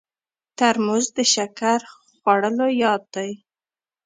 ترموز د شکر خوړلو یاد دی.